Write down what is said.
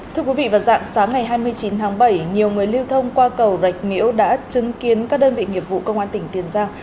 thưa quý vị vào dạng sáng ngày hai mươi chín tháng bảy nhiều người lưu thông qua cầu rạch miễu đã chứng kiến các đơn vị nghiệp vụ công an tỉnh tiền giang